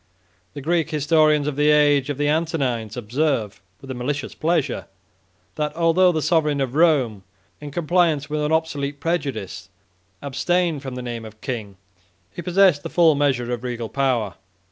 The Greek historians of the age of the Antonines 70 observe, with a malicious pleasure, that although the sovereign of Rome, in compliance with an obsolete prejudice, abstained from the name of king, he possessed the full measure of regal power.